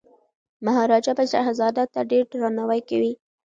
مهاراجا به شهزاده ته ډیر درناوی کوي.